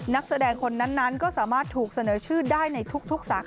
นักแสดงคนนั้นก็สามารถถูกเสนอชื่อได้ในทุกสาขา